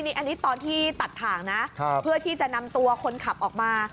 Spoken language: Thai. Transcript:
อันนี้ตอนที่ตัดถ่างนะเพื่อที่จะนำตัวคนขับออกมา